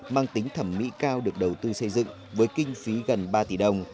mang tính thẩm mỹ cao được đầu tư xây dựng với kinh phí gần ba tỷ đồng